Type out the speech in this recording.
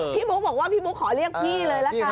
พี่พลุ๊กบอกว่าพูดพร้าว